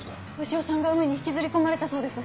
潮さんが海に引きずり込まれたそうです。